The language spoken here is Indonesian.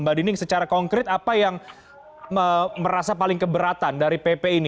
mbak dining secara konkret apa yang merasa paling keberatan dari pp ini